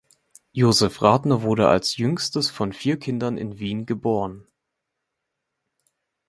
Josef Rattner wurde als jüngstes von vier Kindern in Wien geboren.